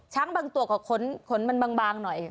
บางตัวก็ขนมันบางหน่อย